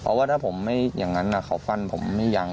เพราะว่าถ้าผมไม่อย่างนั้นเขาฟันผมไม่ยัง